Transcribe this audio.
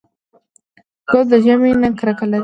ګل د ژمي نه کرکه لري.